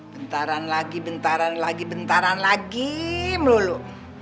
bentaran lagi bentaran lagi bentaran lagi melulu